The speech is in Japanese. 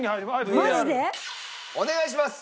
お願いします！